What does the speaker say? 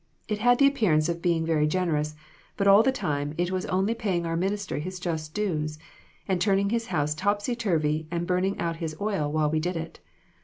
It had the appearance of being very generous, but all the time it was only paying our minister his just dues, and turning his house topsy turvy and burning out his oil while we did it.